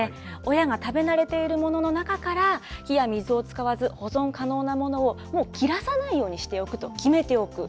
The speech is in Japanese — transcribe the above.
親が食べ慣れているものの中から、火や水を使わず保存可能なものを、もう切らさないようにしておくと決めておく。